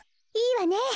いいわね。